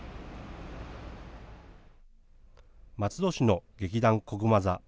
松戸市の劇団こぐま座。